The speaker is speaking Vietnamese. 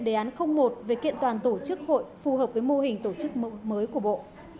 đề án một về kiện toàn tổ chức hội phù hợp với mô hình tổ chức mới của bộ